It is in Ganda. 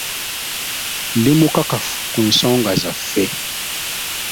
Ndi mukakafu ku nsonga zaffe.